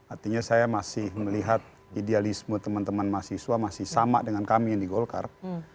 artinya saya masih melihat idealisme teman teman mahasiswa masih sama dengan kami yang di golkar